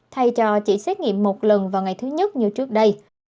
thay cho chỉ xét nghiệm một lần vào ngày thứ nhất như trước đây